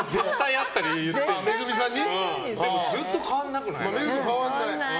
ずっと変わらなくない？